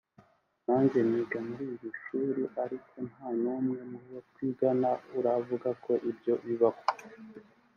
nanjye niga muri iri shuri ariko nta n’umwe mu bo twigana uravuga ko ibyo bibaho